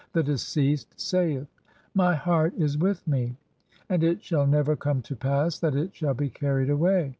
The deceased saith :— "My heart is with me, (2) and it shall never come to pass "that it shall be carried away.